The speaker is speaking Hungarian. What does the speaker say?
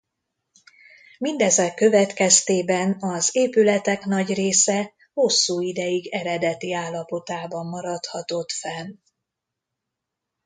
Mindezek következtében az épületek nagy része hosszú ideig eredeti állapotában maradhatott fenn.